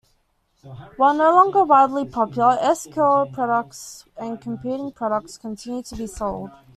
While no longer wildly popular, S-Curl products and competing products continue to be sold.